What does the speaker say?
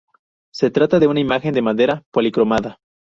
Se trata de una imagen de madera policromada.